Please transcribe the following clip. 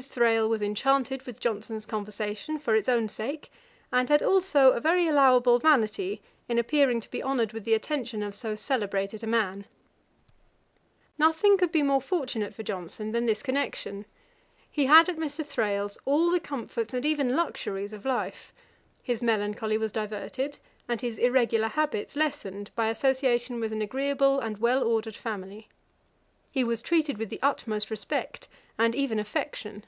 Thrale was enchanted with Johnson's conversation, for its own sake, and had also a very allowable vanity in appearing to be honoured with the attention of so celebrated a man. [Page 496: Johnson's SHAKSPEARE published. A.D. 1765.] Nothing could be more fortunate for Johnson than this connection. He had at Mr. Thrale's all the comforts and even luxuries of life; his melancholy was diverted, and his irregular habits lessened by association with an agreeable and well ordered family. He was treated with the utmost respect, and even affection.